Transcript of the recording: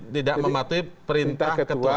tidak mematuhi perintah ketua